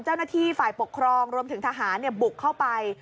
เจ้าหน้าที่ฝ่ายปกครองรวมถึงทหารบุกเข้าไป